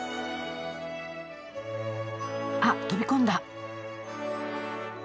あっ飛び込んだ。